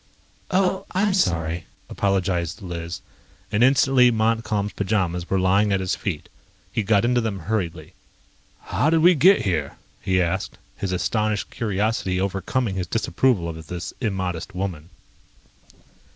"Oh, I'm sorry," apologized Liz, and instantly Montcalm's pajamas were lying at his feet. He got into them hurriedly. "How did we get here?" he asked, his astonished curiosity overcoming his disapproval of this immodest woman.